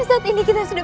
saat ini kita sudah